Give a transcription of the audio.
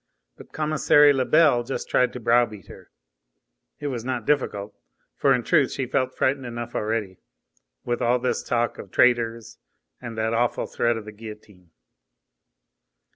But Commissary Lebel just tried to browbeat her. It was not difficult, for in truth she felt frightened enough already, with all this talk of "traitors" and that awful threat of the guillotine.